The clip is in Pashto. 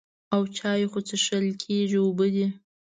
او چای خو څښل کېږي اوبه دي.